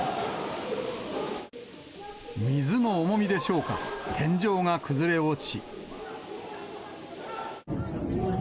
水の重みでしょうか、天井が崩れ落ち。